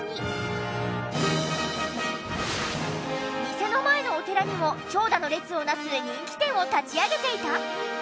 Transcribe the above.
店の前のお寺にも長蛇の列をなす人気店を立ち上げていた！